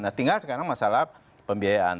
nah tinggal sekarang masalah pembiayaan